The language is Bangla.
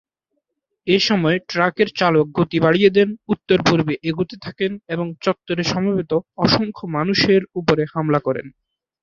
এ'সময় ট্রাকের চালক গতি বাড়িয়ে দেন, উত্তর-পূর্বে এগোতে থাকেন এবং চত্বরে সমবেত অসংখ্য মানুষের উপরে হামলা করেন।